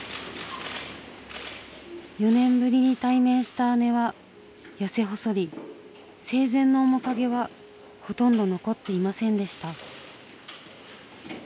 ４年ぶりに対面した姉は痩せ細り生前の面影はほとんど残っていませんでした。